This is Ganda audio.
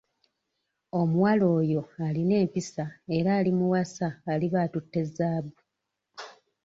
Omuwala oyo alina empisa era alimuwasa aliba atutte zaabu.